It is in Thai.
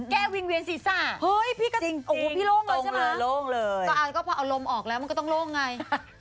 แก้วิ่งเวียนสิซ่าพี่โล่งเลยใช่มั้ยจริงโต๊ะอันก็พอเอาลมออกแล้วมันก็ต้องโล่งไง